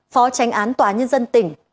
phó tranh án tòa án nhân dân tỉnh